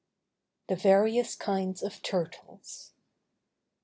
THE VARIOUS KINDS OF TURTLES.